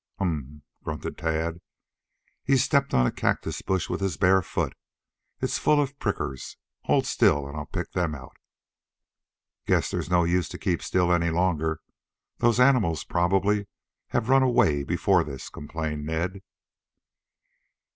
"Humph!" grunted Tad. "He's stepped on a cactus bush with his bare foot. It's full of prickers. Hold still and I'll pick them out." "Guess there's no use to keep still any longer. Those animals probably have run away before this," complained Ned.